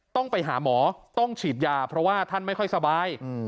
ต้องไปหาหมอต้องฉีดยาเพราะว่าท่านไม่ค่อยสบาย